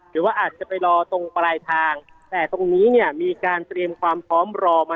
หรือว่าอาจจะไปรอตรงปลายทางแต่ตรงนี้เนี่ยมีการเตรียมความพร้อมรอมา